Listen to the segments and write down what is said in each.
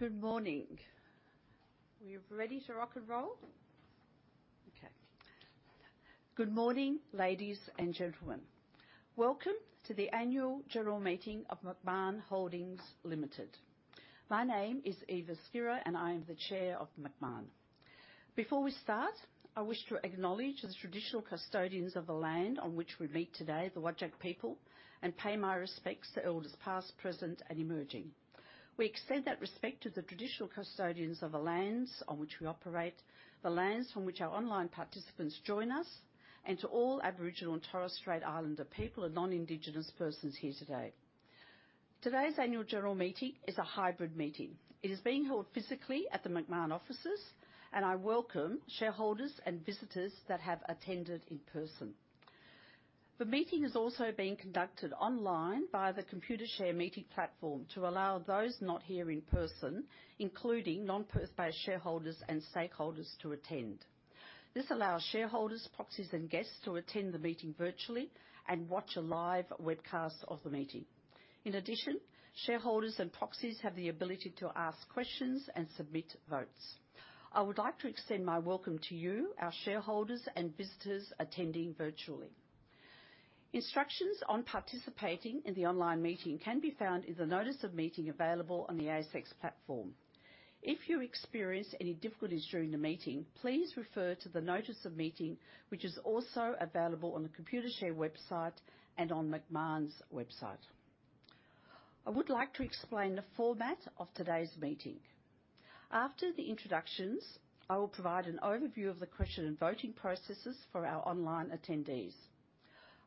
Good morning. We're ready to rock and roll? Okay. Good morning, ladies and gentlemen. Welcome to the Annual General Meeting of Macmahon Holdings Limited. My name is Eva Skira, and I am the Chair of Macmahon. Before we start, I wish to acknowledge the traditional custodians of the land on which we meet today, the Whadjuk people, and pay my respects to elders past, present, and emerging. We extend that respect to the traditional custodians of the lands on which we operate, the lands from which our online participants join us, and to all Aboriginal and Torres Strait Islander people and non-Indigenous persons here today. Today's Annual General Meeting is a hybrid meeting. It is being held physically at the Macmahon offices, and I welcome shareholders and visitors that have attended in person. The meeting is also being conducted online via the Computershare meeting platform to allow those not here in person, including non-Perth-based shareholders and stakeholders, to attend. This allows shareholders, proxies, and guests to attend the meeting virtually and watch a live webcast of the meeting. In addition, shareholders and proxies have the ability to ask questions and submit votes. I would like to extend my welcome to you, our shareholders and visitors attending virtually. Instructions on participating in the online meeting can be found in the Notice of Meeting available on the ASX platform. If you experience any difficulties during the meeting, please refer to the Notice of Meeting, which is also available on the Computershare website and on Macmahon's website. I would like to explain the format of today's meeting. After the introductions, I will provide an overview of the question and voting processes for our online attendees.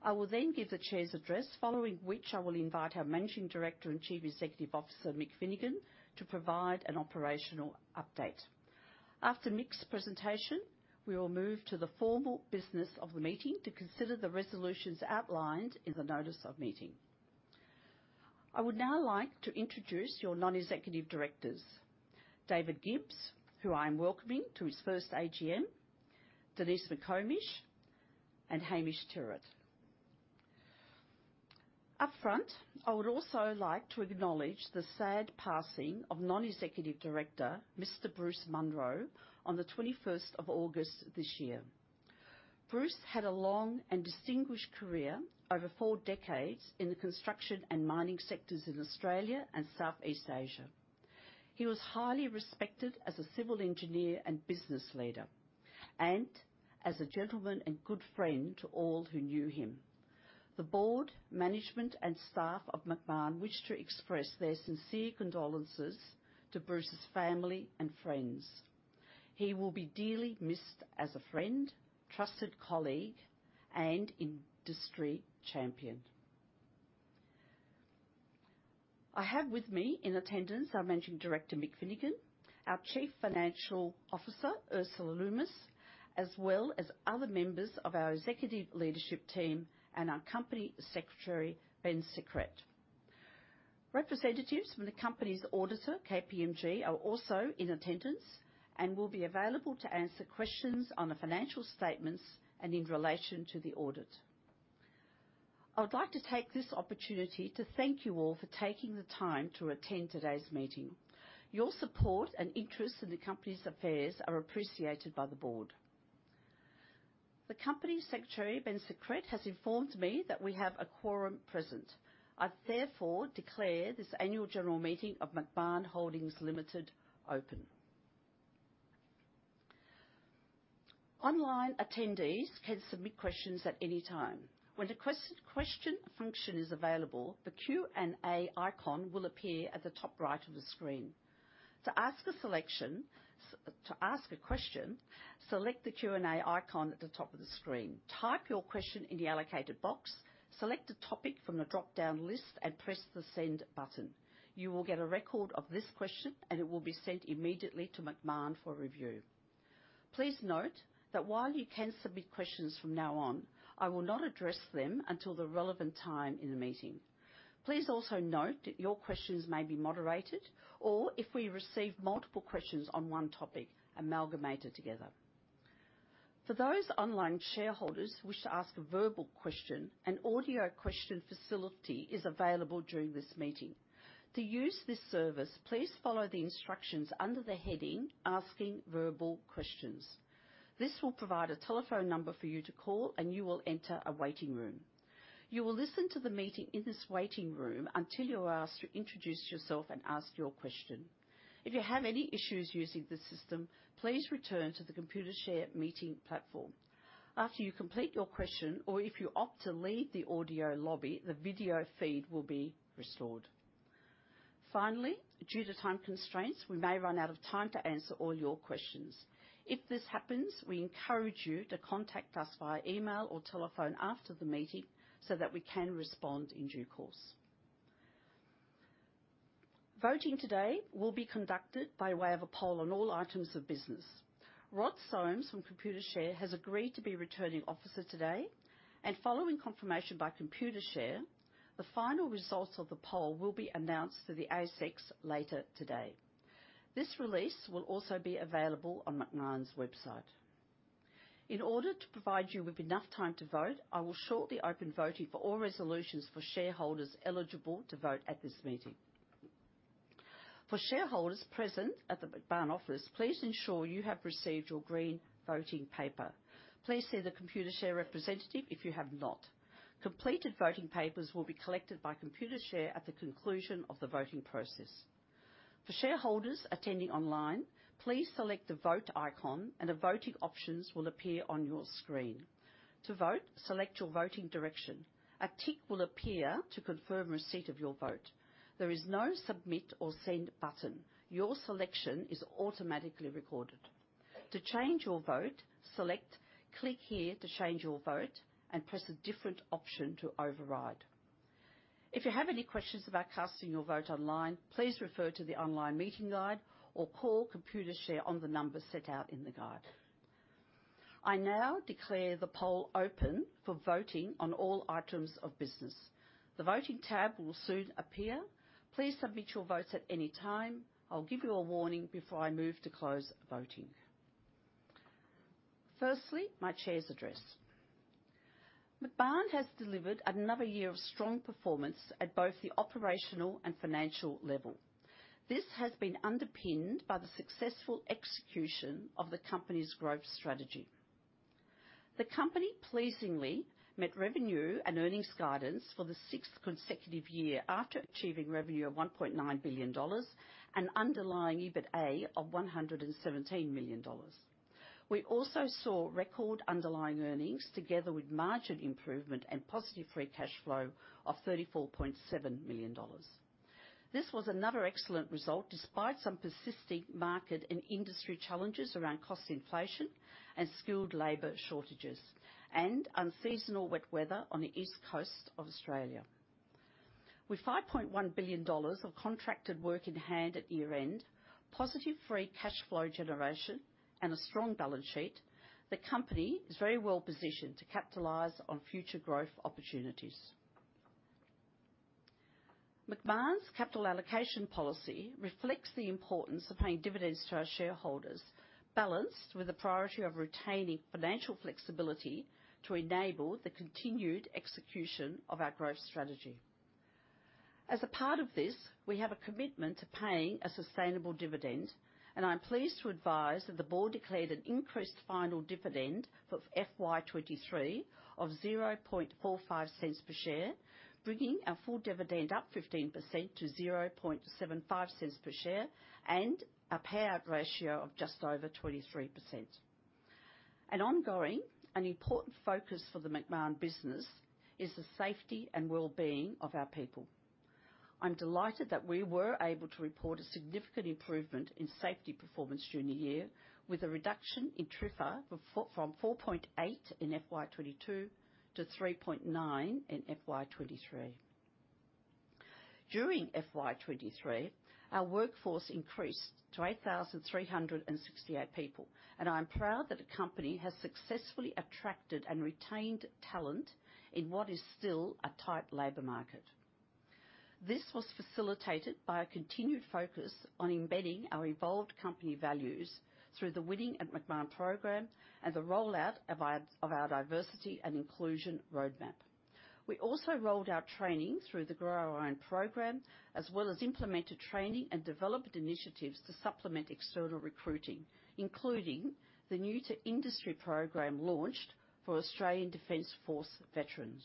I will then give the Chair's address, following which I will invite our Managing Director and Chief Executive Officer, Mick Finnegan, to provide an operational update. After Mick's presentation, we will move to the formal business of the meeting to consider the resolutions outlined in the Notice of Meeting. I would now like to introduce your Non-Executive Directors, David Gibbs, who I am welcoming to his first AGM, Denise McComish, and Hamish Tyrwhitt. Up front, I would also like to acknowledge the sad passing of Non-Executive Director, Mr. Bruce Munro, on the 21st of August this year. Bruce had a long and distinguished career over four decades in the construction and mining sectors in Australia and Southeast Asia. He was highly respected as a civil engineer and business leader, and as a gentleman and good friend to all who knew him. The Board, management, and staff of Macmahon wish to express their sincere condolences to Bruce's family and friends. He will be dearly missed as a friend, trusted colleague, and industry champion. I have with me in attendance our Managing Director, Mick Finnegan, our Chief Financial Officer, Ursula Lummis, as well as other members of our executive leadership team and our Company Secretary, Ben Secrett. Representatives from the company's auditor, KPMG, are also in attendance and will be available to answer questions on the financial statements and in relation to the audit. I would like to take this opportunity to thank you all for taking the time to attend today's meeting. Your support and interest in the company's affairs are appreciated by the Board. The Company Secretary, Ben Secrett, has informed me that we have a quorum present. I therefore declare this Annual General Meeting of Macmahon Holdings Limited open. Online attendees can submit questions at any time. When the question function is available, the Q.&A. icon will appear at the top right of the screen. To ask a question, select the Q.&A. icon at the top of the screen, type your question in the allocated box, select a topic from the drop-down list, and press the Send button. You will get a record of this question, and it will be sent immediately to Macmahon for review. Please note that while you can submit questions from now on, I will not address them until the relevant time in the meeting. Please also note that your questions may be moderated or, if we receive multiple questions on one topic, amalgamated together. For those online shareholders who wish to ask a verbal question, an audio question facility is available during this meeting. To use this service, please follow the instructions under the heading Asking Verbal Questions. This will provide a telephone number for you to call, and you will enter a waiting room. You will listen to the meeting in this waiting room until you are asked to introduce yourself and ask your question. If you have any issues using the system, please return to the Computershare meeting platform. After you complete your question, or if you opt to leave the audio lobby, the video feed will be restored. Finally, due to time constraints, we may run out of time to answer all your questions. If this happens, we encourage you to contact us via email or telephone after the meeting so that we can respond in due course. Voting today will be conducted by way of a poll on all items of business. Rod Somes from Computershare has agreed to be Returning Officer today, and following confirmation by Computershare, the final results of the poll will be announced to the ASX later today. This release will also be available on Macmahon's website. In order to provide you with enough time to vote, I will shortly open voting for all resolutions for shareholders eligible to vote at this meeting. For shareholders present at the Macmahon office, please ensure you have received your green voting paper. Please see the Computershare representative if you have not. Completed voting papers will be collected by Computershare at the conclusion of the voting process. For shareholders attending online, please select the Vote icon, and the voting options will appear on your screen. To vote, select your voting direction. A tick will appear to confirm receipt of your vote. There is no Submit or Send button. Your selection is automatically recorded. To change your vote, select Click here to change your vote and press a different option to override. If you have any questions about casting your vote online, please refer to the online meeting guide or call Computershare on the number set out in the guide. I now declare the poll open for voting on all items of business. The Voting tab will soon appear. Please submit your votes at any time. I'll give you a warning before I move to close voting. Firstly, my Chair's address. Macmahon has delivered another year of strong performance at both the operational and financial level. This has been underpinned by the successful execution of the company's growth strategy. The company pleasingly met revenue and earnings guidance for the sixth consecutive year after achieving revenue of 1.9 billion dollars and underlying EBITA of 117 million dollars. We also saw record underlying earnings together with margin improvement and positive free cash flow of 34.7 million dollars. This was another excellent result, despite some persisting market and industry challenges around cost inflation and skilled labor shortages and unseasonal wet weather on the East Coast of Australia. With 5.1 billion dollars of contracted work in hand at year-end, positive free cash flow generation and a strong balance sheet, the company is very well positioned to capitalize on future growth opportunities. Macmahon's capital allocation policy reflects the importance of paying dividends to our shareholders, balanced with the priority of retaining financial flexibility to enable the continued execution of our growth strategy. As a part of this, we have a commitment to paying a sustainable dividend, and I'm pleased to advise that the board declared an increased final dividend for FY 2023 of 0.0045 per share, bringing our full dividend up 15% to 0.0075 per share and a payout ratio of just over 23%. An ongoing and important focus for the Macmahon business is the safety and well-being of our people. I'm delighted that we were able to report a significant improvement in safety performance during the year, with a reduction in TRIFR from 4.8 in FY 2022 to 3.9 in FY 2023. During FY 2023, our workforce increased to 8,368 people, and I'm proud that the company has successfully attracted and retained talent in what is still a tight labor market. This was facilitated by a continued focus on embedding our evolved company values through the Winning at Macmahon program and the rollout of our diversity and inclusion roadmap. We also rolled out training through the Grow Our Own program, as well as implemented training and development initiatives to supplement external recruiting, including the New to Industry program launched for Australian Defence Force veterans.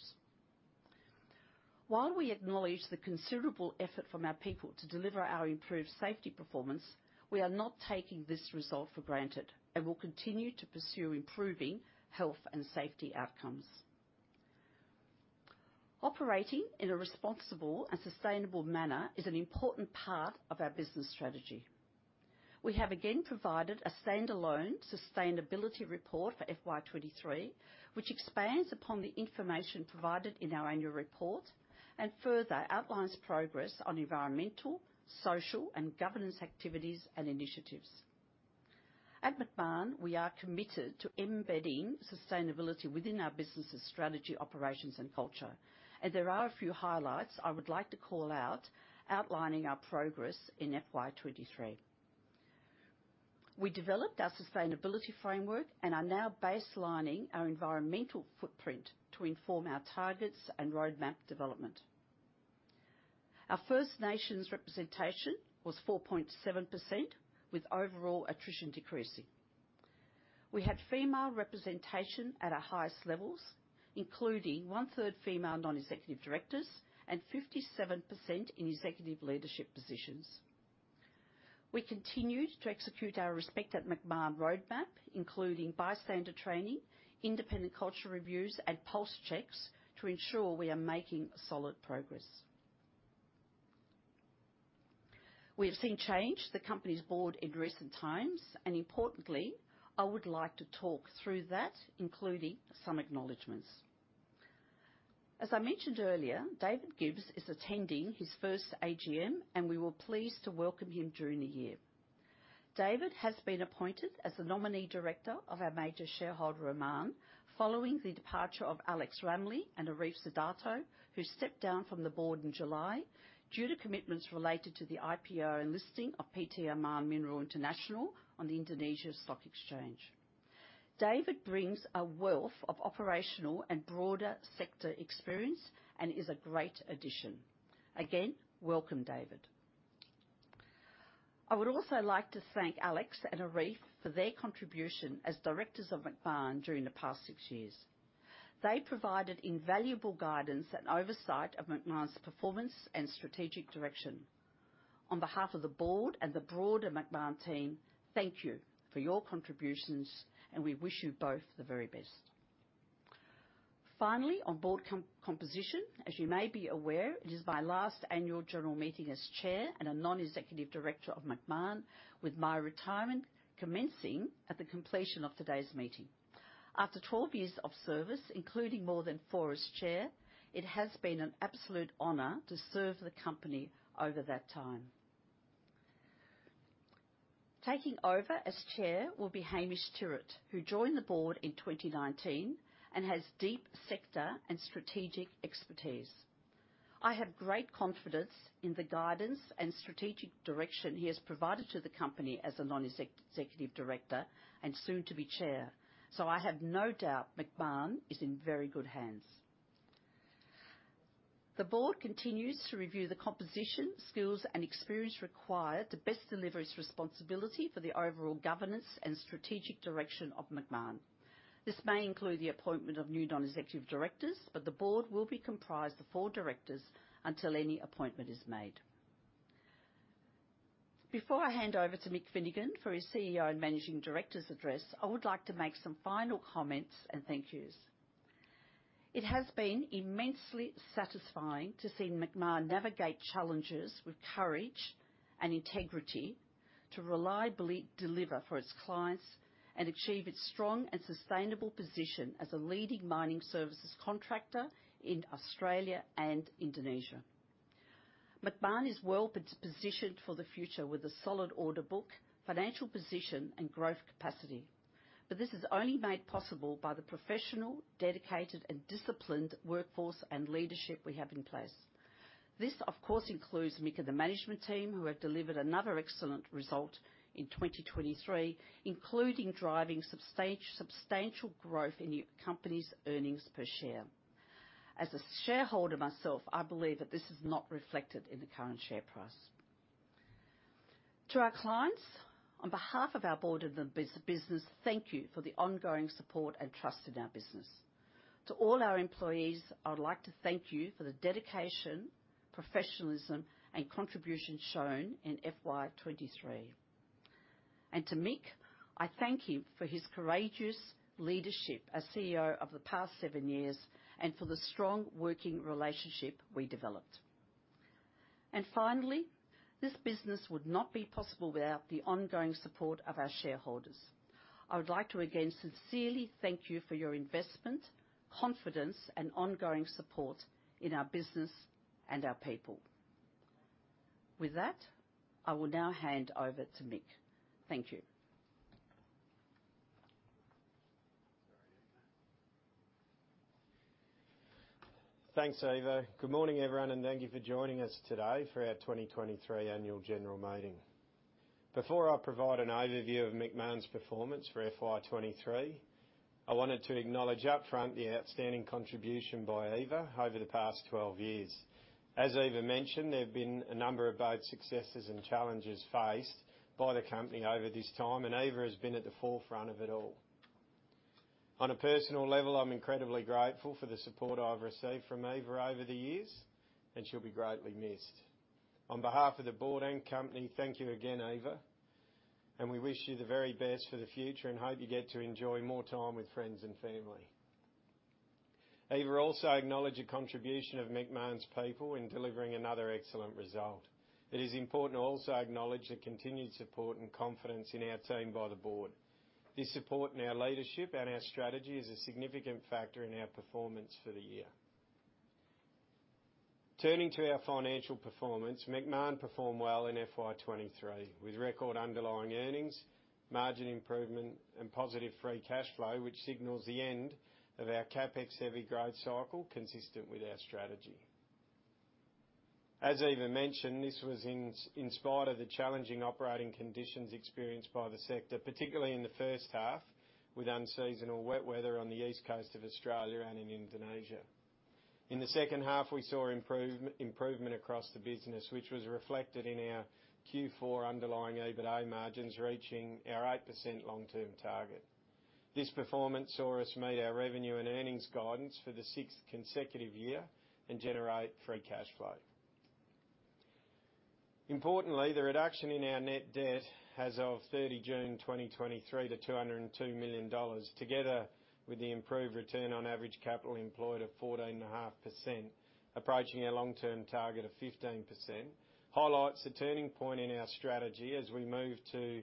While we acknowledge the considerable effort from our people to deliver our improved safety performance, we are not taking this result for granted and will continue to pursue improving health and safety outcomes. Operating in a responsible and sustainable manner is an important part of our business strategy. We have again provided a standalone sustainability report for FY 2023, which expands upon the information provided in our annual report and further outlines progress on environmental, social, and governance activities and initiatives. At Macmahon, we are committed to embedding sustainability within our business's strategy, operations, and culture, and there are a few highlights I would like to call out outlining our progress in FY2023. We developed our sustainability framework and are now baselining our environmental footprint to inform our targets and roadmap development. Our First Nations representation was 4.7%, with overall attrition decreasing. We had female representation at our highest levels, including one-third female non-executive directors and 57% in executive leadership positions. We continued to execute our Respect at Macmahon roadmap, including bystander training, independent cultural reviews, and pulse checks to ensure we are making solid progress. We have seen change the company's board in recent times, and importantly, I would like to talk through that, including some acknowledgments. As I mentioned earlier, David Gibbs is attending his first AGM, and we were pleased to welcome him during the year. David has been appointed as the nominee director of our major shareholder, Amman, following the departure of Alex Ramlie and Arif Sidarto, who stepped down from the board in July due to commitments related to the IPO and listing of PT Amman Mineral International on the Indonesia Stock Exchange. David brings a wealth of operational and broader sector experience and is a great addition. Again, welcome, David. I would also like to thank Alex and Arif for their contribution as directors of Macmahon during the past six years. They provided invaluable guidance and oversight of Macmahon's performance and strategic direction. On behalf of the board and the broader Macmahon team, thank you for your contributions, and we wish you both the very best. Finally, on Board composition, as you may be aware, it is my last Annual General Meeting as Chair and a Non-Executive Director of Macmahon, with my retirement commencing at the completion of today's meeting. After 12 years of service, including more than four as Chair, it has been an absolute honor to serve the company over that time. Taking over as Chair will be Hamish Tyrwhitt, who joined the Board in 2019 and has deep sector and strategic expertise. I have great confidence in the guidance and strategic direction he has provided to the company as a Non-Executive Director and soon to be Chair, so I have no doubt Macmahon is in very good hands. The Board continues to review the composition, skills, and experience required to best deliver its responsibility for the overall governance and strategic direction of Macmahon. This may include the appointment of new Non-Executive Directors, but the Board will be comprised of four directors until any appointment is made. Before I hand over to Mick Finnegan for his CEO and Managing Director's address, I would like to make some final comments and thank-yous. It has been immensely satisfying to see Macmahon navigate challenges with courage and integrity, to reliably deliver for its clients, and achieve its strong and sustainable position as a leading mining services contractor in Australia and Indonesia. Macmahon is well positioned for the future with a solid order book, financial position, and growth capacity. This is only made possible by the professional, dedicated, and disciplined workforce and leadership we have in place. This, of course, includes Mick and the management team, who have delivered another excellent result in 2023, including driving substantial growth in the company's earnings per share. As a shareholder myself, I believe that this is not reflected in the current share price. To our clients, on behalf of our Board and the business, thank you for the ongoing support and trust in our business. To all our employees, I would like to thank you for the dedication, professionalism, and contribution shown in FY2023. To Mick, I thank him for his courageous leadership as CEO over the past seven years and for the strong working relationship we developed. Finally, this business would not be possible without the ongoing support of our shareholders. I would like to again sincerely thank you for your investment, confidence, and ongoing support in our business and our people. With that, I will now hand over to Mick. Thank you. Thanks, Eva. Good morning, everyone, and thank you for joining us today for our 2023 Annual General Meeting. Before I provide an overview of Macmahon's performance for FY 2023, I wanted to acknowledge upfront the outstanding contribution by Eva over the past 12 years. As Eva mentioned, there have been a number of both successes and challenges faced by the company over this time, and Eva has been at the forefront of it all. On a personal level, I'm incredibly grateful for the support I've received from Eva over the years, and she'll be greatly missed. On behalf of the Board and company, thank you again, Eva, and we wish you the very best for the future and hope you get to enjoy more time with friends and family. Eva also acknowledged the contribution of Macmahon's people in delivering another excellent result. It is important to also acknowledge the continued support and confidence in our team by the board. This support in our leadership and our strategy is a significant factor in our performance for the year. Turning to our financial performance, Macmahon performed well in FY 2023, with record underlying earnings, margin improvement, and positive free cash flow, which signals the end of our CapEx-heavy growth cycle, consistent with our strategy. As Eva mentioned, this was in spite of the challenging operating conditions experienced by the sector, particularly in the first half, with unseasonal wet weather on the East Coast of Australia and in Indonesia. In the second half, we saw improvement across the business, which was reflected in our Q4 underlying EBITDA margins, reaching our 8% long-term target. This performance saw us meet our revenue and earnings guidance for the sixth consecutive year and generate free cash flow. Importantly, the reduction in our net debt as of 30 June 2023 to AUD 202 million, together with the improved return on average capital employed of 14.5%, approaching our long-term target of 15%, highlights a turning point in our strategy as we move to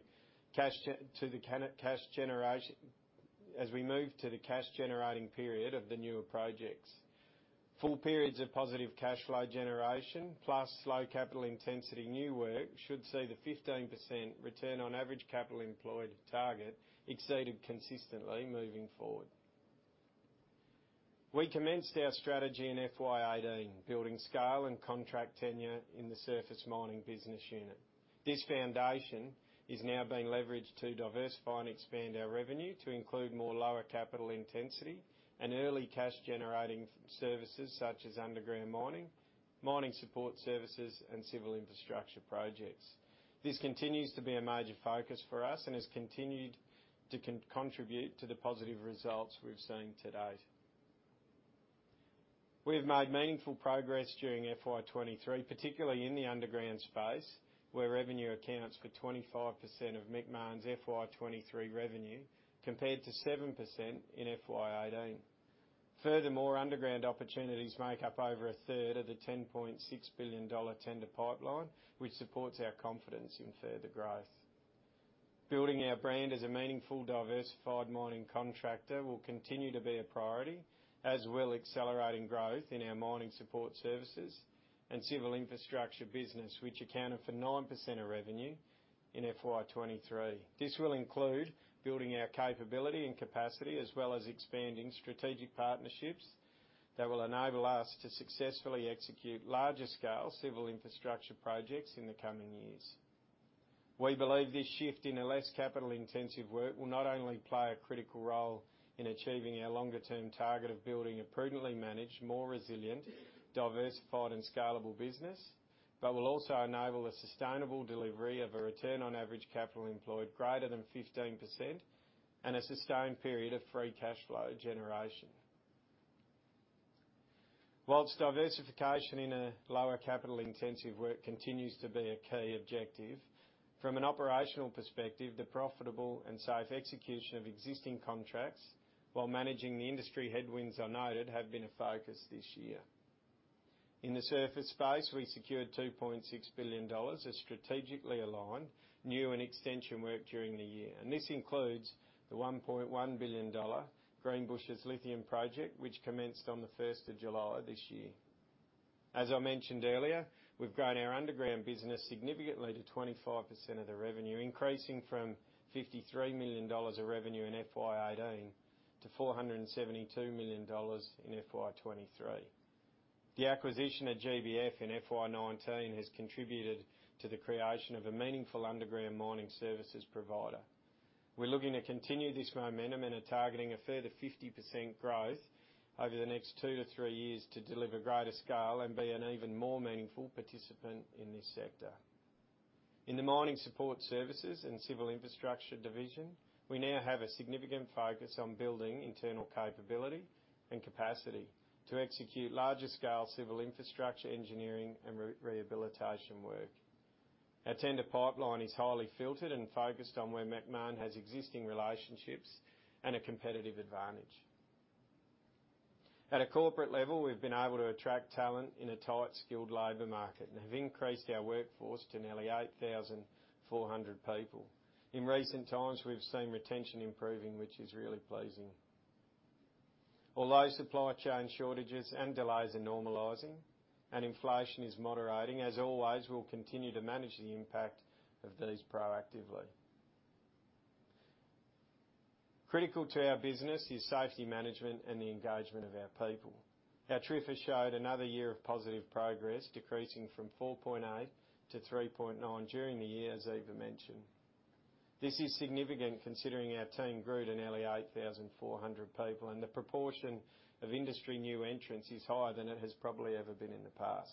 the cash generating period of the newer projects. Full periods of positive cash flow generation, plus low capital intensity new work, should see the 15% return on average capital employed target exceeded consistently moving forward. We commenced our strategy in FY 2018, building scale and contract tenure in the Surface Mining business unit. This foundation is now being leveraged to diversify and expand our revenue to include more lower capital intensity and early cash-generating services, such as underground mining, mining support services, and civil infrastructure projects. This continues to be a major focus for us and has continued to contribute to the positive results we've seen to date. We have made meaningful progress during FY2023, particularly in the underground space, where revenue accounts for 25% of Macmahon's FY2023 revenue, compared to 7% in FY2018. Furthermore, underground opportunities make up over a third of the 10.6 billion dollar tender pipeline, which supports our confidence in further growth. Building our brand as a meaningful, diversified mining contractor will continue to be a priority, as will accelerating growth in our mining support services and civil infrastructure business, which accounted for 9% of revenue in FY2023. This will include building our capability and capacity, as well as expanding strategic partnerships that will enable us to successfully execute larger-scale civil infrastructure projects in the coming years. We believe this shift in a less capital-intensive work will not only play a critical role in achieving our longer-term target of building a prudently managed, more resilient, diversified, and scalable business, but will also enable a sustainable delivery of a return on average capital employed greater than 15% and a sustained period of free cash flow generation. Whilst diversification in a lower capital-intensive work continues to be a key objective, from an operational perspective, the profitable and safe execution of existing contracts while managing the industry headwinds I noted have been a focus this year. In the surface space, we secured 2.6 billion dollars of strategically aligned new and extension work during the year, and this includes the 1.1 billion dollar Greenbushes lithium project, which commenced on the first of July this year. As I mentioned earlier, we've grown our underground business significantly to 25% of the revenue, increasing from 53 million dollars of revenue in FY 2018 to 472 million dollars in FY 2023. The acquisition of GBF in FY 2019 has contributed to the creation of a meaningful underground mining services provider. We're looking to continue this momentum and are targeting a further 50% growth over the next two to three years to deliver greater scale and be an even more meaningful participant in this sector. In the Mining Support Services and Civil Infrastructure division, we now have a significant focus on building internal capability and capacity to execute larger-scale civil infrastructure, engineering, and rehabilitation work. Our tender pipeline is highly filtered and focused on where Macmahon has existing relationships and a competitive advantage. At a corporate level, we've been able to attract talent in a tight, skilled labor market and have increased our workforce to nearly 8,400 people. In recent times, we've seen retention improving, which is really pleasing. Although supply chain shortages and delays are normalizing and inflation is moderating, as always, we'll continue to manage the impact of these proactively. Critical to our business is safety management and the engagement of our people. Our TRIFR showed another year of positive progress, decreasing from 4.8-3.9 during the year, as Eva mentioned. This is significant considering our team grew to nearly 8,400 people, and the proportion of industry new entrants is higher than it has probably ever been in the past.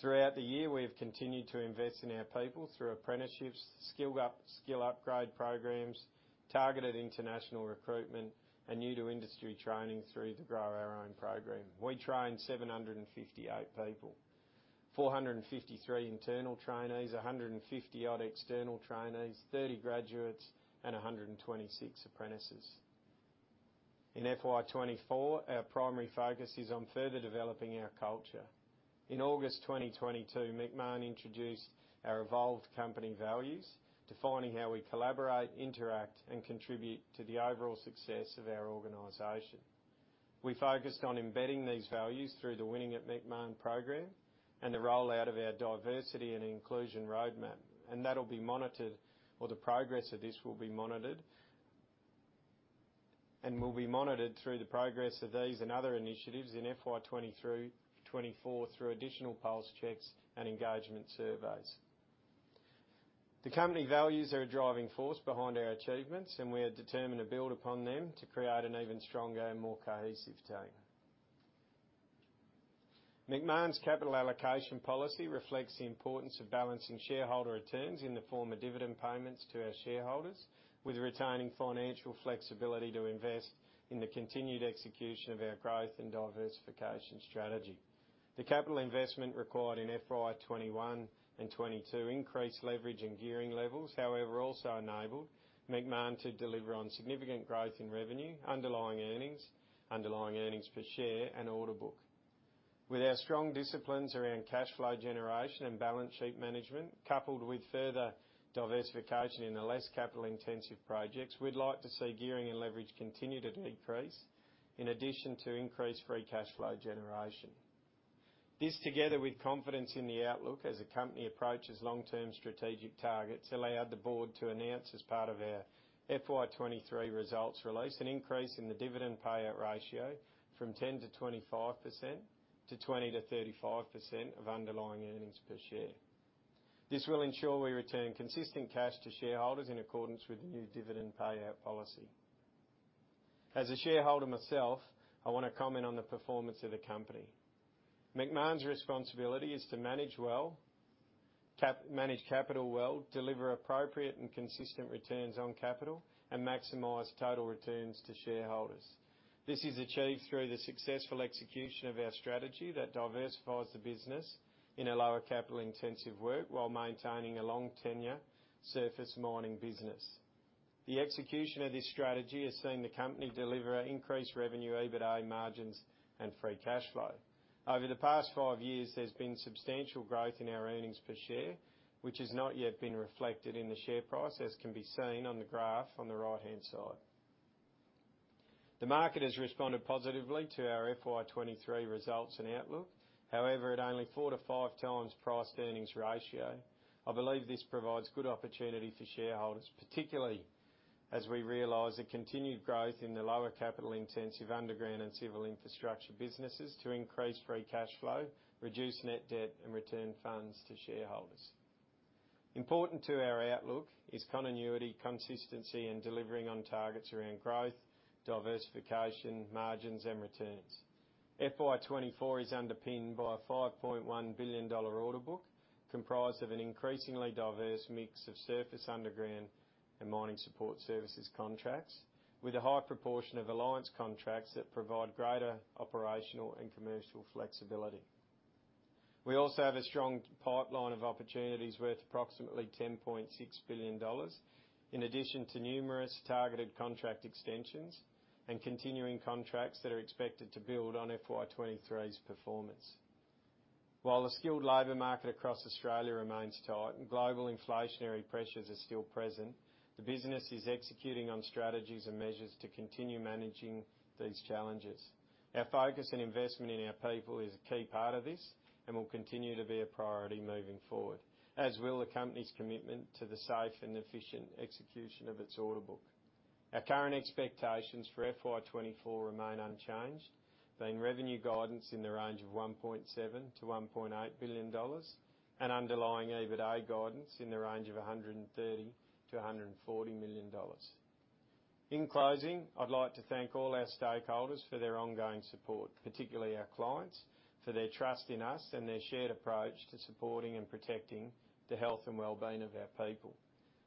Throughout the year, we have continued to invest in our people through apprenticeships, skill upgrade programs, targeted international recruitment, and New to Industry training through the Grow Our Own program. We trained 758 people, 453 internal trainees, 150 odd external trainees, 30 graduates, and 126 apprentices. In FY 2024, our primary focus is on further developing our culture. In August 2022, Macmahon introduced our evolved company values, defining how we collaborate, interact, and contribute to the overall success of our organization. We focused on embedding these values through the Winning at Macmahon program and the rollout of our diversity and inclusion roadmap, and that'll be monitored, or the progress of this will be monitored, and will be monitored through the progress of these and other initiatives in FY 2023-FY 2024, through additional pulse checks and engagement surveys. The company values are a driving force behind our achievements, and we are determined to build upon them to create an even stronger and more cohesive team. Macmahon's capital allocation policy reflects the importance of balancing shareholder returns in the form of dividend payments to our shareholders, with retaining financial flexibility to invest in the continued execution of our growth and diversification strategy. The capital investment required in FY2021 and FY2022 increased leverage and gearing levels, however, also enabled Macmahon to deliver on significant growth in revenue, underlying earnings, underlying earnings per share, and order book. With our strong disciplines around cash flow generation and balance sheet management, coupled with further diversification in the less capital-intensive projects, we'd like to see gearing and leverage continue to decrease in addition to increased free cash flow generation. This, together with confidence in the outlook as the company approaches long-term strategic targets, allowed the board to announce, as part of our FY2023 results release, an increase in the dividend payout ratio from 10%-25% to 20%-35% of underlying earnings per share. This will ensure we return consistent cash to shareholders in accordance with the new dividend payout policy. As a shareholder myself, I want to comment on the performance of the company. Macmahon's responsibility is to manage well, manage capital well, deliver appropriate and consistent returns on capital, and maximize total returns to shareholders. This is achieved through the successful execution of our strategy that diversifies the business in a lower capital-intensive work, while maintaining a long tenure surface mining business. The execution of this strategy has seen the company deliver increased revenue, EBITDA margins, and free cash flow. Over the past five years, there's been substantial growth in our earnings per share, which has not yet been reflected in the share price, as can be seen on the graph on the right-hand side. The market has responded positively to our FY 2023 results and outlook. However, at only 4x-5x price-earnings ratio, I believe this provides good opportunity for shareholders, particularly as we realize the continued growth in the lower capital-intensive underground and civil infrastructure businesses to increase free cash flow, reduce net debt, and return funds to shareholders. Important to our outlook is continuity, consistency, and delivering on targets around growth, diversification, margins, and returns. FY 2024 is underpinned by a 5.1 billion dollar order book, comprised of an increasingly diverse mix of surface, underground, and mining support services contracts, with a high proportion of alliance contracts that provide greater operational and commercial flexibility. We also have a strong pipeline of opportunities worth approximately 10.6 billion dollars, in addition to numerous targeted contract extensions and continuing contracts that are expected to build on FY 2023's performance. While the skilled labor market across Australia remains tight and global inflationary pressures are still present, the business is executing on strategies and measures to continue managing these challenges. Our focus and investment in our people is a key part of this and will continue to be a priority moving forward, as will the company's commitment to the safe and efficient execution of its order book. Our current expectations for FY 2024 remain unchanged, being revenue guidance in the range of 1.7 billion-1.8 billion dollars, and underlying EBITDA guidance in the range of 130 million-140 million dollars. In closing, I'd like to thank all our stakeholders for their ongoing support, particularly our clients, for their trust in us and their shared approach to supporting and protecting the health and well-being of our people.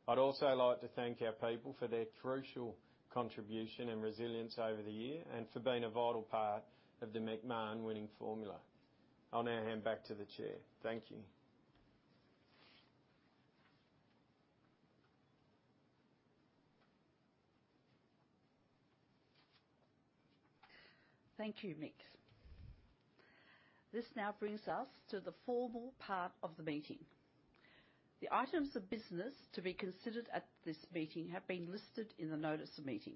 I'd also like to thank our people for their crucial contribution and resilience over the year, and for being a vital part of the Macmahon winning formula. I'll now hand back to the Chair. Thank you. Thank you, Mick. This now brings us to the formal part of the meeting. The items of business to be considered at this meeting have been listed in the notice of meeting.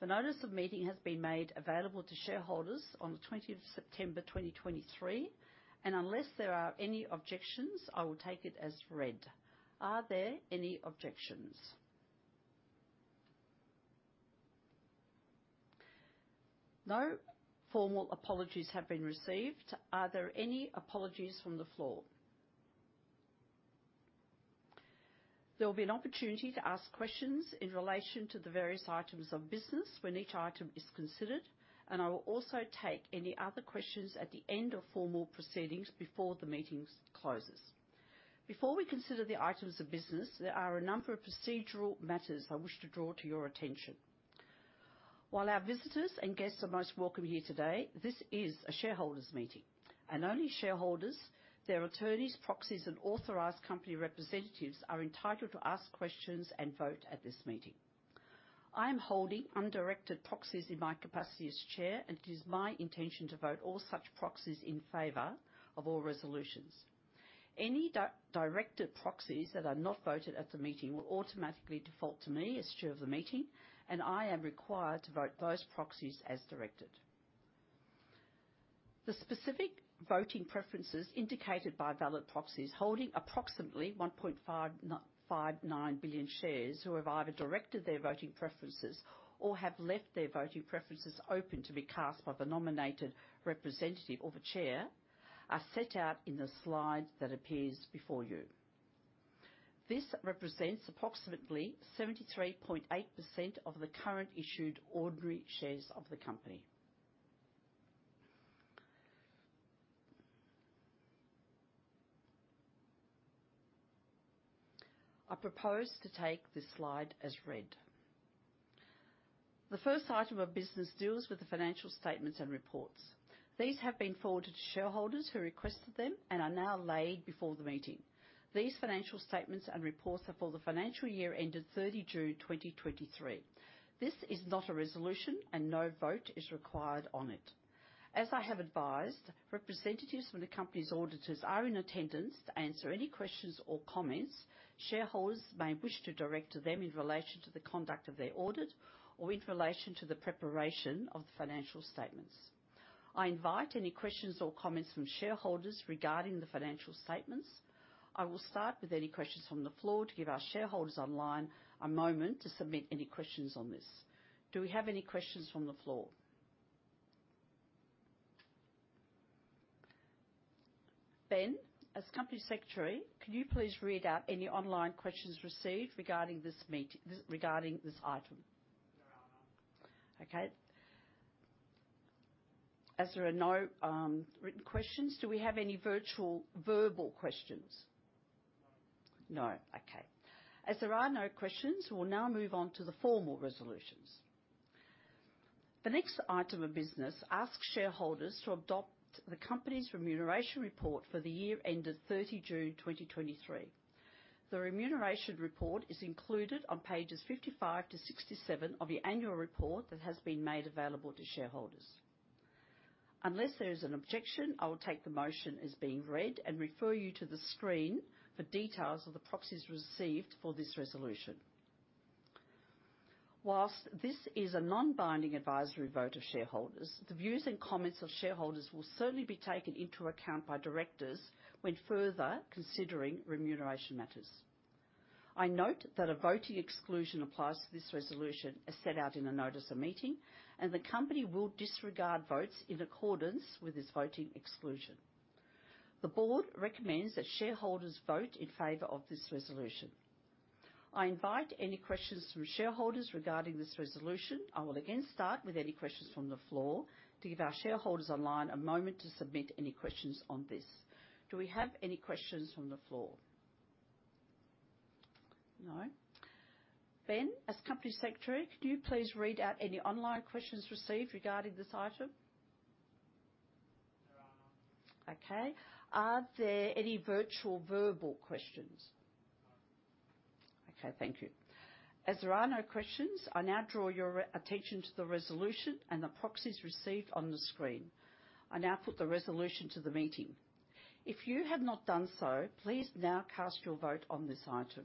The notice of meeting has been made available to shareholders on the 20th of September 2023, and unless there are any objections, I will take it as read. Are there any objections? No formal apologies have been received. Are there any apologies from the floor? There will be an opportunity to ask questions in relation to the various items of business when each item is considered, and I will also take any other questions at the end of formal proceedings before the meeting closes. Before we consider the items of business, there are a number of procedural matters I wish to draw to your attention. While our visitors and guests are most welcome here today, this is a shareholders' meeting, and only shareholders, their attorneys, proxies, and authorized company representatives are entitled to ask questions and vote at this meeting. I am holding undirected proxies in my capacity as Chair, and it is my intention to vote all such proxies in favor of all resolutions. Any directed proxies that are not voted at the meeting will automatically default to me as Chair of the meeting, and I am required to vote those proxies as directed. The specific voting preferences indicated by valid proxies holding approximately 1.559 billion shares, who have either directed their voting preferences or have left their voting preferences open to be cast by the nominated representative or the Chair, are set out in the slide that appears before you. This represents approximately 73.8% of the current issued ordinary shares of the company. I propose to take this slide as read. The first item of business deals with the financial statements and reports. These have been forwarded to shareholders who requested them and are now laid before the meeting. These financial statements and reports are for the financial year ended 30 June 2023. This is not a resolution, and no vote is required on it. As I have advised, representatives from the company's auditors are in attendance to answer any questions or comments shareholders may wish to direct to them in relation to the conduct of their audit or in relation to the preparation of the financial statements. I invite any questions or comments from shareholders regarding the financial statements. I will start with any questions from the floor to give our shareholders online a moment to submit any questions on this. Do we have any questions from the floor? Ben, as Company Secretary, can you please read out any online questions received regarding this item? There are none. Okay. As there are no written questions, do we have any virtual verbal questions? No. No. Okay. As there are no questions, we'll now move on to the formal resolutions. The next item of business asks Shareholders to adopt the Company's Remuneration Report for the year ended 30 June 2023. The Remuneration Report is included on pages 55-67 of the Annual Report that has been made available to Shareholders. Unless there is an objection, I will take the motion as being read and refer you to the screen for details of the proxies received for this resolution. Whilst this is a non-binding advisory vote of Shareholders, the views and comments of Shareholders will certainly be taken into account by Directors when further considering remuneration matters. I note that a voting exclusion applies to this resolution, as set out in the Notice of Meeting, and the Company will disregard votes in accordance with this voting exclusion. The board recommends that shareholders vote in favor of this resolution. I invite any questions from shareholders regarding this resolution. I will again start with any questions from the floor to give our shareholders online a moment to submit any questions on this. Do we have any questions from the floor? No. Ben, as Company Secretary, could you please read out any online questions received regarding this item? There are none. Okay. Are there any virtual verbal questions? No. Okay, thank you. As there are no questions, I now draw your attention to the resolution and the proxies received on the screen. I now put the resolution to the meeting. If you have not done so, please now cast your vote on this item.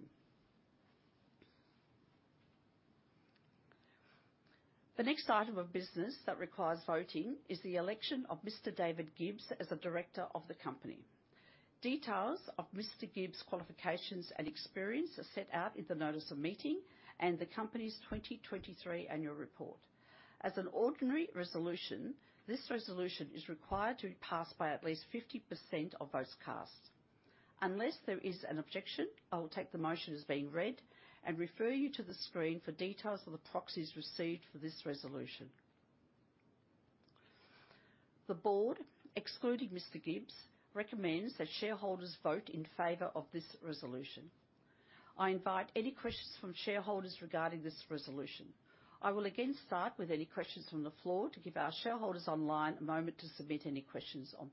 The next item of business that requires voting is the election of Mr. David Gibbs as a Director of the company. Details of Mr. Gibbs' qualifications and experience are set out in the Notice of Meeting and the company's 2023 Annual Report. As an ordinary resolution, this resolution is required to be passed by at least 50% of votes cast. Unless there is an objection, I will take the motion as being read and refer you to the screen for details of the proxies received for this resolution. The Board, excluding Mr. Gibbs, recommends that shareholders vote in favor of this resolution. Not in glossary. *Wait, check the glossary for "excerpt".* Not in glossary. *Wait, check the glossary for "transcript".* Not in glossary. *Wait, check the glossary for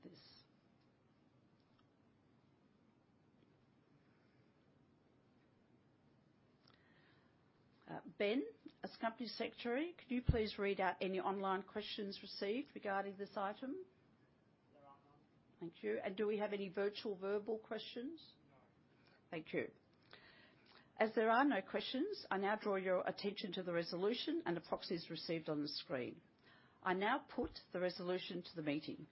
There are none. Thank you. Do we have any virtual verbal questions? No. Thank you. As there are no questions, I now draw your attention to the resolution and the proxies received on the screen. I now put the resolution to the meeting.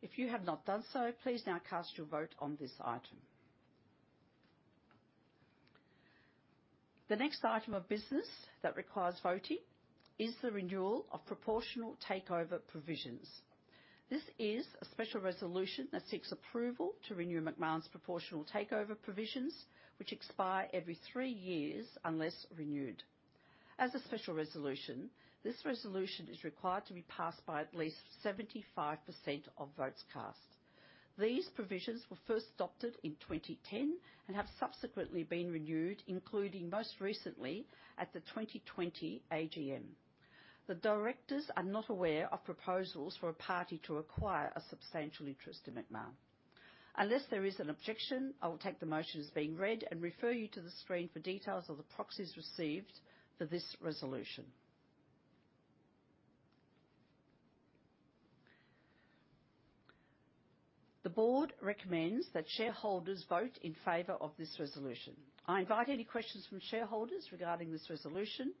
If you have not done so, please now cast your vote on this item. The next item of business that requires voting is the renewal of proportional takeover provisions. This is a special resolution that seeks approval to renew Macmahon's proportional takeover provisions, which expire every three years unless renewed. As a special resolution, this resolution is required to be passed by at least 75% of votes cast. These provisions were first adopted in 2010 and have subsequently been renewed, including most recently at the 2020 AGM. The directors are not aware of proposals for a party to acquire a substantial interest in Macmahon. Unless there is an objection, I will take the motion as being read and refer you to the screen for details of the proxies received for this resolution. The board recommends that shareholders vote in favor of this resolution. I invite any questions from shareholders regarding this resolution.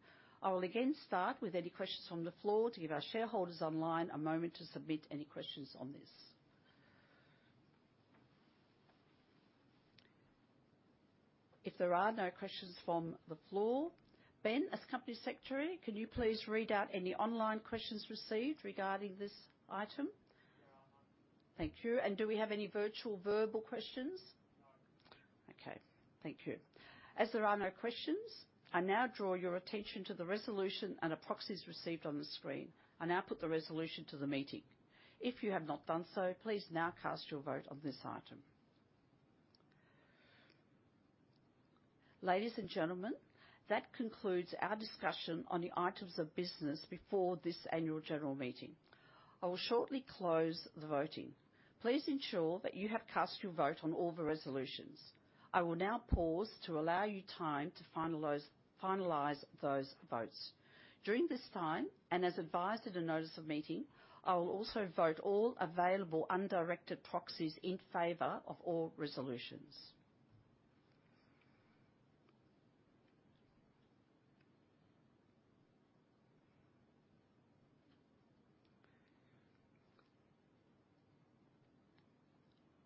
I will again start with any questions from the floor to give our shareholders online a moment to submit any questions on this. If there are no questions from the floor, Ben, as Company Secretary, can you please read out any online questions received regarding this item? There are none. Thank you. Do we have any virtual verbal questions? No. Okay, thank you. As there are no questions, I now draw your attention to the resolution and the proxies received on the screen. I now put the resolution to the meeting. If you have not done so, please now cast your vote on this item. Ladies and gentlemen, that concludes our discussion on the items of business before this Annual General Meeting. I will shortly close the voting. Please ensure that you have cast your vote on all the resolutions. I will now pause to allow you time to finalize those votes. During this time, and as advised in the Notice of Meeting, I will also vote all available undirected proxies in favor of all resolutions.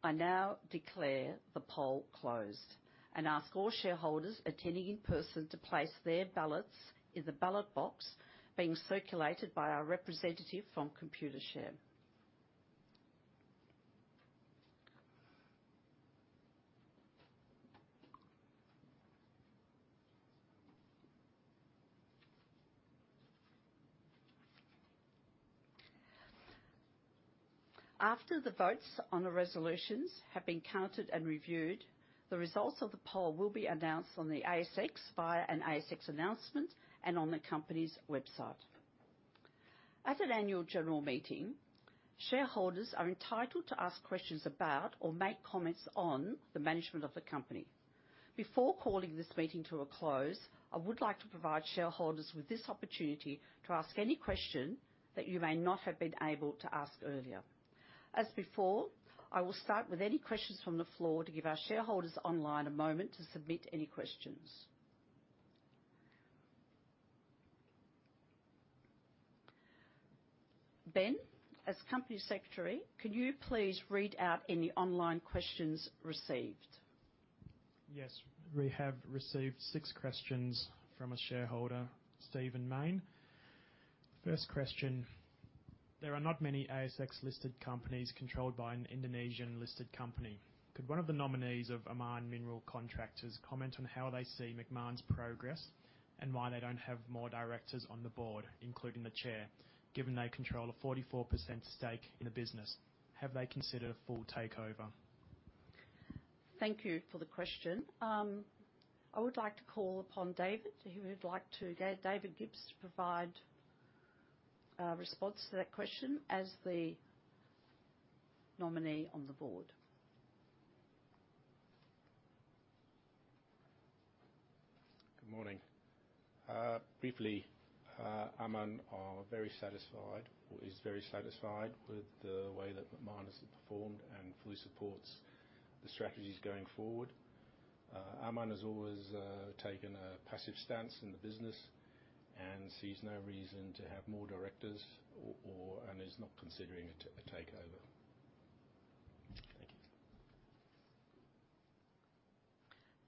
I now declare the poll closed and ask all shareholders attending in person to place their ballots in the ballot box being circulated by our representative from Computershare. After the votes on the resolutions have been counted and reviewed, the results of the poll will be announced on the ASX via an ASX announcement and on the company's website. At an annual general meeting, shareholders are entitled to ask questions about or make comments on the management of the company. Before calling this meeting to a close, I would like to provide shareholders with this opportunity to ask any question that you may not have been able to ask earlier. As before, I will start with any questions from the floor to give our shareholders online a moment to submit any questions. Ben, as Company Secretary, could you please read out any online questions received? Yes, we have received six questions from a shareholder, Steven Main. First question: There are not many ASX-listed companies controlled by an Indonesian-listed company. Could one of the nominees of Amman Mineral Contractors comment on how they see Macmahon's progress and why they don't have more directors on the board, including the Chair, given they control a 44% stake in the business? Have they considered a full takeover? Thank you for the question. I would like to call upon David. He would like to get David Gibbs to provide a response to that question as the nominee on the board. on "business". * Correct. * Final check on "reason". * Correct. * Final check on "Thank you." * Correct. * Final check on "Good morning.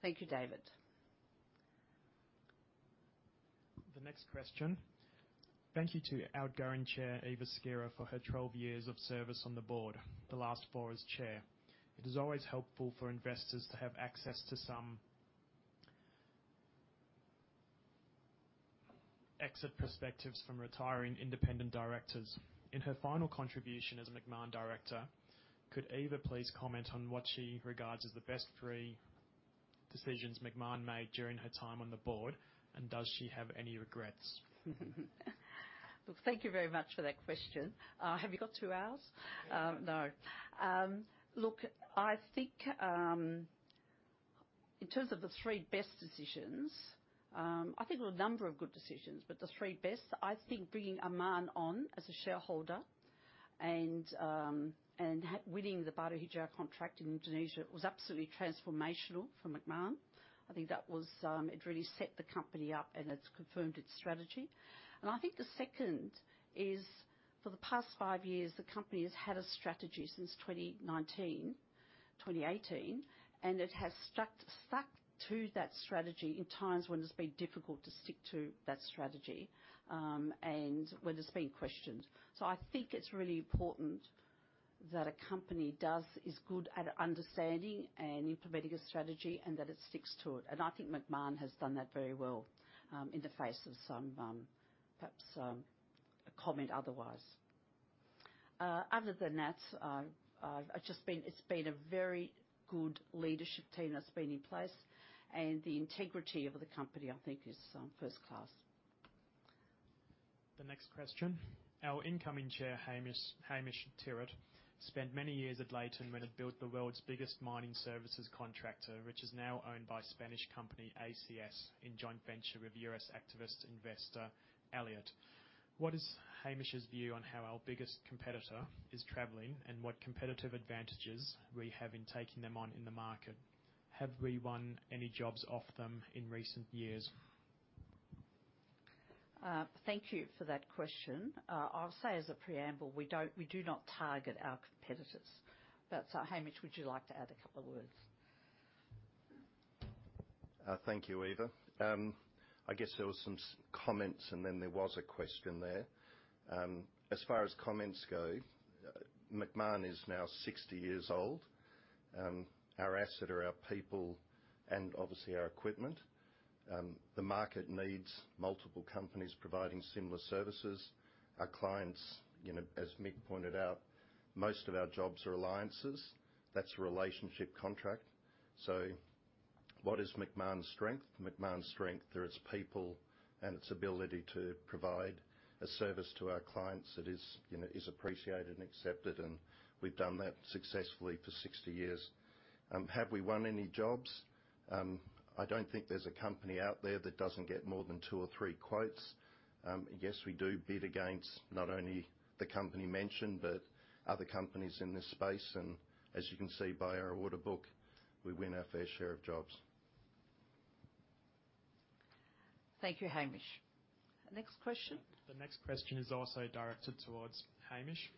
Thank you, David. The next question: Thank you to outgoing Chair, Eva Skira, for her 12 years of service on the board, the last four as Chair. It is always helpful for investors to have access to some exit perspectives from retiring independent directors. In her final contribution as a Macmahon Director, could Eva please comment on what she regards as the best three decisions Macmahon made during her time on the board, and does she have any regrets? Look, thank you very much for that question. Have you got two hours? Yeah. No. Look, I think in terms of the three best decisions, I think there were a number of good decisions, but the three best, I think bringing Amman on as a shareholder and winning the Batu Hijau contract in Indonesia was absolutely transformational for Macmahon. I think that was, it really set the company up, and it's confirmed its strategy. I think the second is, for the past five years, the company has had a strategy since 2019, 2018, and it has stuck to that strategy in times when it's been difficult to stick to that strategy and when it's being questioned. I think it's really important that a company does, is good at understanding and implementing a strategy and that it sticks to it. I think Macmahon has done that very well in the face of some perhaps comment otherwise. Other than that, it's just been a very good leadership team that's been in place, and the integrity of the company, I think, is first class. The next question: Our incoming Chair, Hamish Tyrwhitt, spent many years at Leighton when it built the world's biggest mining services contractor, which is now owned by Spanish company ACS in joint venture with U.S. activist investor Elliott. What is Hamish's view on how our biggest competitor is traveling, and what competitive advantages we have in taking them on in the market? Have we won any jobs off them in recent years? Thank you for that question. I'll say as a preamble, we do not target our competitors. Hamish, would you like to add a couple of words? Thank you, Eva. I guess there was some comments, and then there was a question there. As far as comments go, Macmahon is now 60 years old. Our asset are our people and obviously our equipment. The market needs multiple companies providing similar services. Our clients, you know, as Mick pointed out, most of our jobs are alliances. That's a relationship contract. What is Macmahon's strength? Macmahon's strength are its people and its ability to provide a service to our clients that is, you know, appreciated and accepted, and we've done that successfully for 60 years. Have we won any jobs? I don't think there's a company out there that doesn't get more than two or three quotes. Yes, we do bid against not only the company mentioned, but other companies in this space, and as you can see by our order book, we win our fair share of jobs. Thank you, Hamish. Next question? The next question is also directed towards Hamish.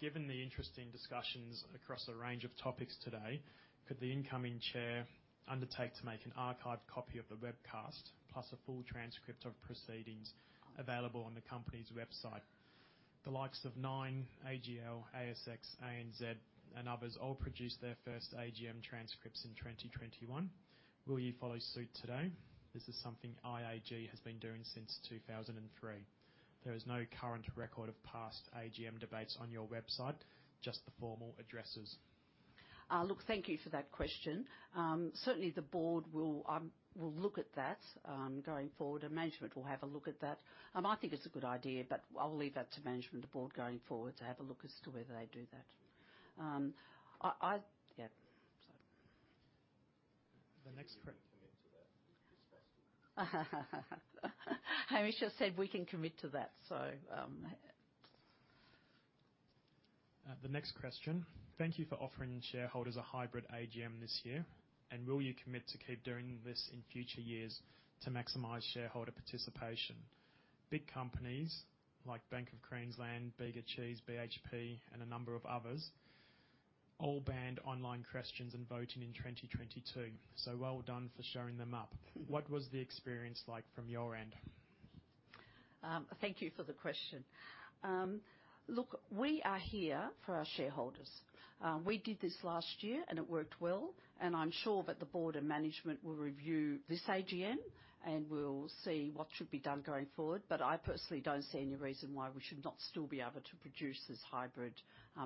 Given the interesting discussions across a range of topics today, could the incoming Chair undertake to make an archived copy of the webcast, plus a full transcript of proceedings available on the company's website? The likes of Nine, AGL, ASX, ANZ, and others all produced their first AGM transcripts in 2021. Will you follow suit today? This is something IAG has been doing since 2003. There is no current record of past AGM debates on your website, just the formal addresses. Look, thank you for that question. Certainly, the board will look at that going forward, and management will have a look at that. I think it's a good idea, but I'll leave that to management and the board going forward to have a look as to whether they do that. Yeah, so. The next. We can commit to that this afternoon. Hamish just said we can commit to that. The next question: Thank you for offering shareholders a hybrid AGM this year, and will you commit to keep doing this in future years to maximize shareholder participation? Big companies like Bank of Queensland, Bega Cheese, BHP, and a number of others all banned online questions and voting in 2022, so well done for showing them up. What was the experience like from your end? Thank you for the question. Look, we are here for our shareholders. We did this last year, and it worked well, and I'm sure that the board and management will review this AGM, and we'll see what should be done going forward. I personally don't see any reason why we should not still be able to produce this hybrid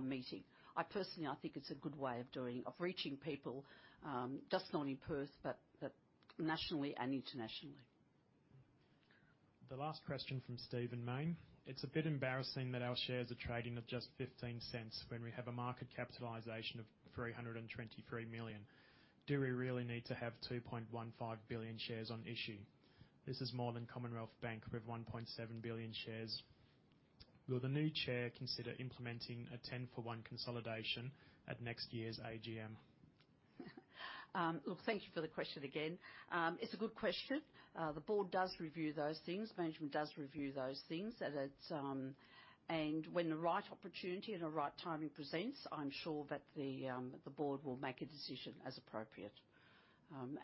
meeting. I personally, I think it's a good way of doing, of reaching people, just not in Perth, but nationally and internationally. The last question from Steven Main. It's a bit embarrassing that our shares are trading at just 0.15 when we have a market capitalization of 323 million. Do we really need to have 2.15 billion shares on issue? This is more than Commonwealth Bank with 1.7 billion shares. Will the new Chair consider implementing a 10/1 consolidation at next year's AGM? Look, thank you for the question again. It's a good question. The board does review those things. Management does review those things. When the right opportunity and the right timing presents, I'm sure that the board will make a decision as appropriate.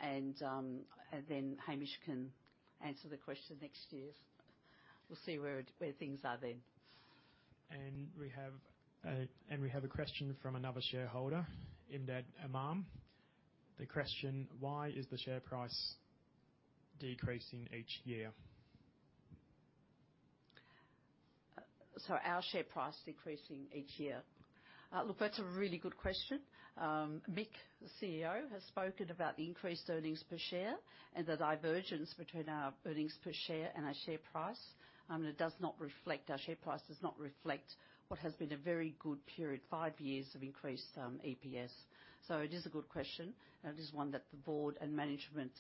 Then Hamish can answer the question next year. We'll see where things are then. We have a question from another shareholder, Imdad Amam. The question: Why is the share price decreasing each year? "it does not reflect" has meaning (it's a subject and verb). It's just redundant. In strict transcription editing, "meaningless" usually refers to things like "I, I, I" or "The, the". "it does not reflect" is a complete thought that is then restated more specifically. I will keep it to be safe on "absolute word-for-word accuracy". *Wait, check "So" again:* "So our share price decreasing each year." If I remove "So", it's "Our share price decreasing each year." Is "So" unnecessary? Yes, it's a starter conjunction. "So it is a good question... I think you answered. It's about free cash flow. We're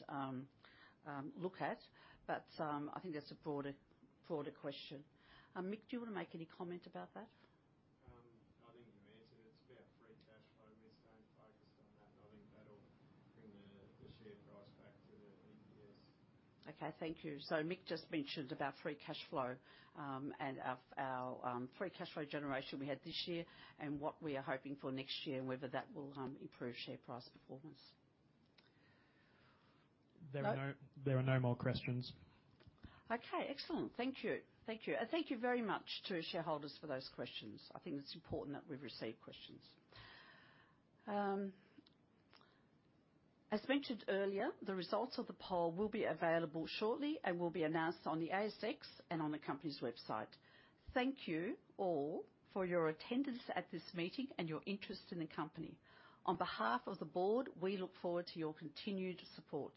staying focused on that. I think that'll bring the share price back to the EPS. Okay, thank you. Mick just mentioned about free cash flow and our free cash flow generation we had this year and what we are hoping for next year and whether that will improve share price performance. There are no. No? There are no more questions. Okay, excellent. Thank you. Thank you, and thank you very much to our shareholders for those questions. I think it's important that we receive questions. As mentioned earlier, the results of the poll will be available shortly and will be announced on the ASX and on the company's website. Thank you all for your attendance at this meeting and your interest in the company. On behalf of the board, we look forward to your continued support.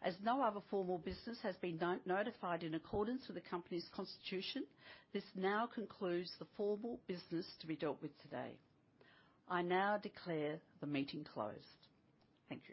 As no other formal business has been notified in accordance with the company's constitution, this now concludes the formal business to be dealt with today. I now declare the meeting closed. Thank you.